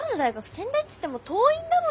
仙台っつっても遠いんだもん。